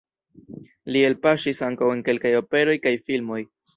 Li elpaŝis ankaŭ en kelkaj operoj kaj filmoj.